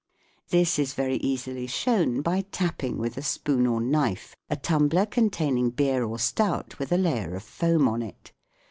This is very easily shown by tapping with a spoon or knife a tumbler containing beer or stout with a layer of foam on it.